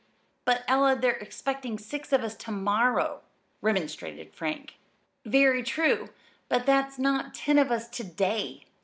"But, Ella, they're expecting six of us to morrow," remonstrated Frank. "Very true. But that's not ten of us to day."